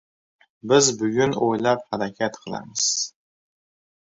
Biz bugunni o‘ylab harakat qilamiz.